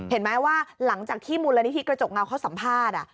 เห็นไหมว่าหลังจากที่มูลนิธิกระจกเงาเขาสัมภาษณ์